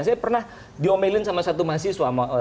saya pernah diomelin sama satu mahasiswa